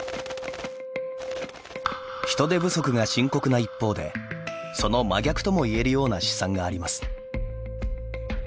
人手不足が深刻な一方でその真逆ともいえるような試算があります。